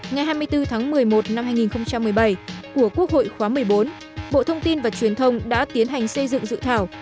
ngày hai mươi bốn tháng một mươi một năm hai nghìn một mươi bảy của quốc hội khóa một mươi bốn bộ thông tin và truyền thông đã tiến hành xây dựng dự thảo